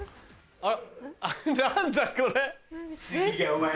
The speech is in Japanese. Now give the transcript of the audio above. あっ！